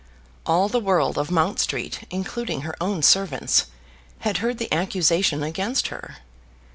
All the world of Mount Street, including her own servants, had heard the accusation against her.